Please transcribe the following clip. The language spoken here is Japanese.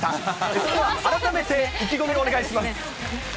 それでは改めて意気込みをお願いします。